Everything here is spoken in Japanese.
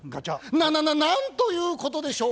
ななななんということでしょう。